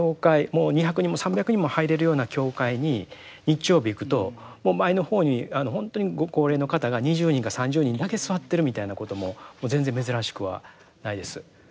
もう２００人も３００人も入れるような教会に日曜日行くと前の方にあの本当にご高齢の方が２０人か３０人だけ座ってるみたいなことも全然珍しくはないです。